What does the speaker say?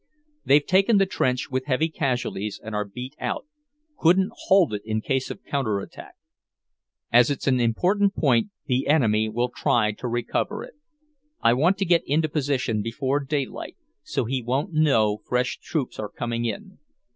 They've taken the trench with heavy casualties and are beat out; couldn't hold it in case of counter attack. As it's an important point, the enemy will try to recover it. I want to get into position before daylight, so he won't know fresh troops are coming in.